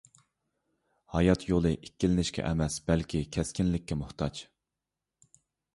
ھايات يولى ئىككىلىنىشكە ئەمەس، بەلكى كەسكىنلىككە موھتاج!